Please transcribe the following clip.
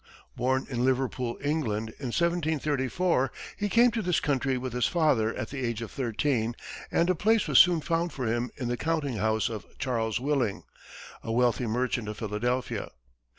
Born in Liverpool, England, in 1734, he came to this country with his father at the age of thirteen, and a place was soon found for him in the counting house of Charles Willing, a wealthy merchant of Philadelphia.